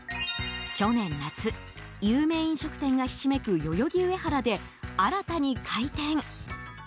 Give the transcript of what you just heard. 去年夏、有名飲食店がひしめく代々木上原で新たに開店。